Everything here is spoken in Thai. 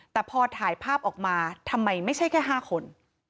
แต่พอถ่ายภาพออกมาทำไมไม่ใช่แค่๕คน